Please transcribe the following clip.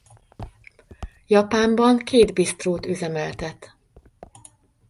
Japánban két bisztrót üzemeltet.